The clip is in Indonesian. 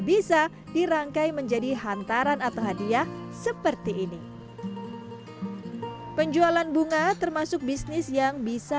bisa dirangkai menjadi hantaran atau hadiah seperti ini penjualan bunga termasuk bisnis yang bisa